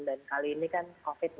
dan kali ini kan covid sembilan belas